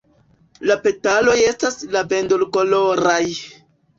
La petaloj estas lavendulkoloraj.